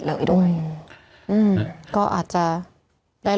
ผู้ต้องหาที่ขับขี่รถจากอายานยนต์บิ๊กไบท์